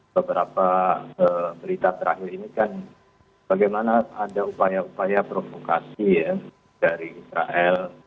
beberapa berita terakhir ini kan bagaimana ada upaya upaya provokasi ya dari israel